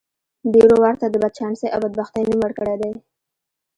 ډېرو ورته د بدچانسۍ او بدبختۍ نوم ورکړی دی.